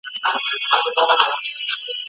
اجازه ده چي پوښتنه وسي.